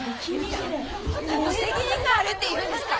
何の責任があるっていうんですか！？